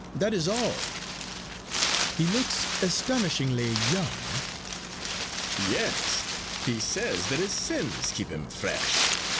That is all." "He looks astonishingly young." "Yes. He says that his sins keep him fresh.